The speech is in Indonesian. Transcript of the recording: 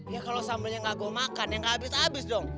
ya kalau sambelnya gak gue makan yang gak habis habis dong